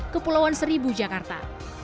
ke pulauan seribu jakarta